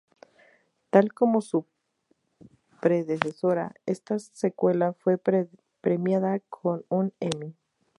Tal como su predecesora, esta secuela fue premiada con un Emmy.